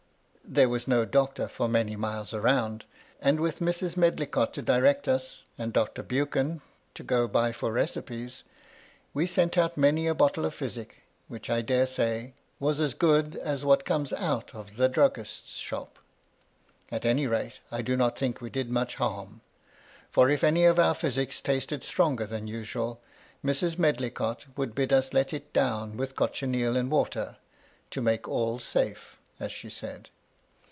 There was no doctor for many miles round, and with Mrs. Medlicott to direct us, and Dr. Buchan to go by for recipes, we sent out many a bottle of physic, which, I dare say, was as good as what comes out of the druggist's shop. At any rate, I do not think we did much harm ; for if any of our physics tasted stronger than usual, Mrs. Medlicott would bid us let it down with cochineal and water, to make all safe, as she said.